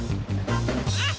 あっ！